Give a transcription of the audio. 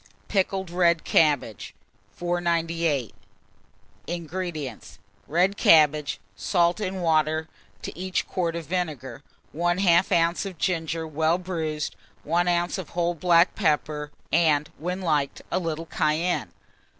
PICKLED RED CABBAGE. 498. INGREDIENTS. Red cabbages, salt and water; to each quart of vinegar, 1/2 oz. of ginger well bruised, 1 oz. of whole black pepper, and, when liked, a little cayenne.